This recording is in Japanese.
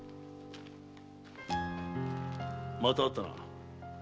また会ったな。